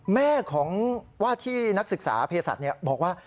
แม่ของว่าที่นักศึกษาเพศัตริย์บอกว่า